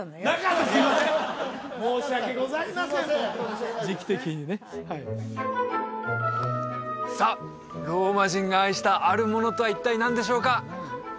すいません申し訳ございませんすいません申し訳ないです時期的にねはいさあローマ人が愛したあるものとは一体何でしょうか？